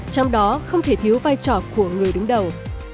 trong đó không thể thiếu vai trò của người đứng đầu